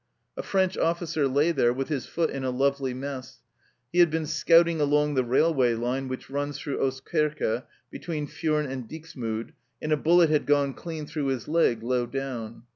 A French officer lay there with his foot in "a lovely mess." He had been scouting along the railway line which runs through Oostkerke, between Furnes and Dixmude, and a bullet had gone clean through his leg low down.